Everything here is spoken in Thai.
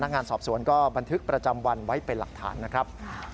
งานสอบสวนก็บันทึกประจำวันไว้เป็นหลักฐานนะครับ